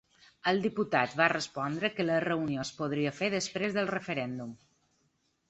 El diputat va respondre que la reunió es podria fer després del referèndum.